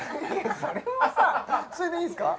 それはさそれでいいですか？